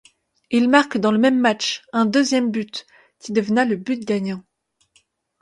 Il marque dans le même match, un deuxième but qui devena le but gagnant.